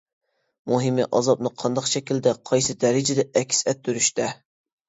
مۇھىمى، ئازابنى قانداق شەكىلدە، قايسى دەرىجىدە ئەكس ئەتتۈرۈشتە.